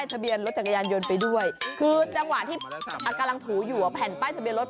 ทำให้ดูเหมือนเป็นนูเหลือม